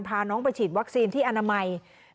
พาน้องไปฉีดวัคซีนที่อนามัย